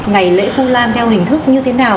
ngày lễ vu lan theo hình thức như thế nào